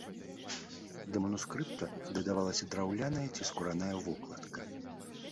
Да манускрыпта дадавалася драўляная ці скураная вокладка.